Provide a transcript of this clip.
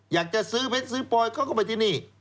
อยากจะซื้อเพชรซื้อปลอยเขาก็ไปที่นี่